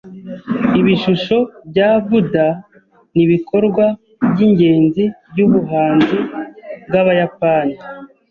Ibishusho bya Buda nibikorwa byingenzi byubuhanzi bwabayapani.